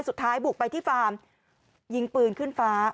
สุดท้ายบุกไปที่ฟาร์มยิงปืนขึ้นฟ้า